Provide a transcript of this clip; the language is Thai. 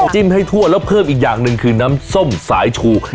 จิ้มให้ทั่วแล้วเพิ่มอีกอย่างหนึ่งคือน้ำส้มสายชู